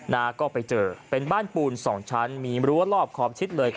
นาก็ไปเจอเป็นบ้านปูน๒ชั้นมีรั้วรอบขอบชิดเลย